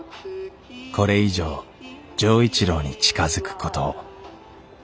これ以上錠一郎に近づくことを。